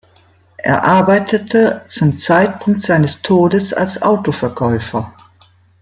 Er arbeitete zum Zeitpunkt seines Todes als Autoverkäufer.